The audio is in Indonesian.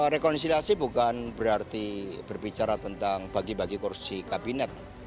rekonsiliasi bukan berarti berbicara tentang bagi bagi kursi kabinet